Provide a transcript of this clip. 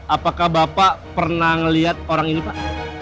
apakah bapak pernah melihat orang ini pak